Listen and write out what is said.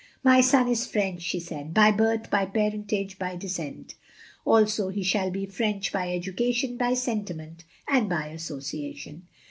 "My son is French," she said, "by birth, by parentage, by descent. Also he shall be French by education, by sentiment, and by association.